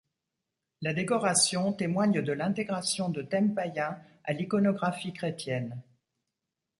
La décoration témoigne de l’intégration de thèmes païens à l’iconographie chrétienne.